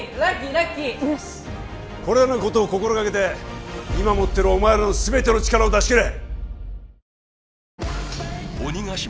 ラッキーよしこれらのことを心がけて今持ってるお前らの全ての力を出しきれ！